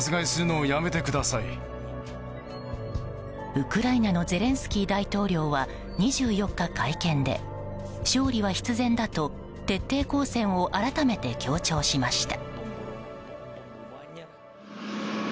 ウクライナのゼレンスキー大統領は２４日、会見で勝利は必然だと徹底抗戦を改めて強調しました。